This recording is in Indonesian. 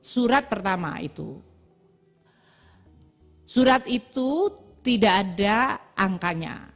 surat pertama itu surat itu tidak ada angkanya